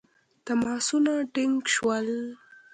تماسونه ټینګ شول.